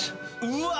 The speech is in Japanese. うわ！